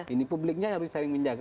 ini publiknya harus saling menjaga